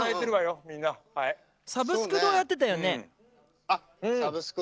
「サブスク堂」やってたよね。